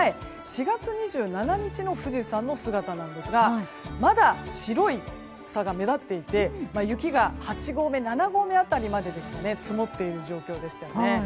４月２７日の富士山の姿なんですがまだ白さが目立っていて雪が８合目、７合目辺りまで積もっている状況でしたよね。